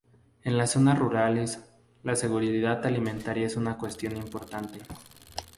En las zonas rurales, la seguridad alimentaria es una cuestión importante.